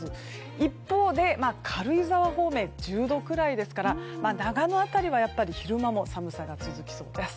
一方で、軽井沢方面は１０度くらいですから長野辺りは昼間も寒さが続きそうです。